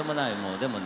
でもね